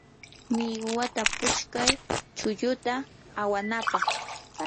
millwata putskay chulluta awanapaq.